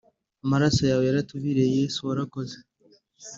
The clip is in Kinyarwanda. Amaraso yawe yaratuviriye yesu warakoze